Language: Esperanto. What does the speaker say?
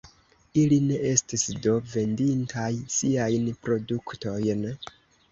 Ili ne estis do vendintaj siajn produktojn?